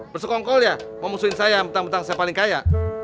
bersekongkol ya mau musuhin saya bentang bentang saya paling kaya